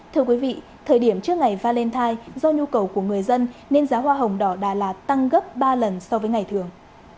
thưa quý vị thời điểm trước ngày valentine do nhu cầu của người dân nên giá hoa hồng đỏ đà lạt tăng gấp ba lần so với ngày thường